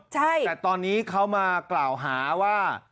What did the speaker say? แต่ตอนนี้เขามากล่าวหาว่า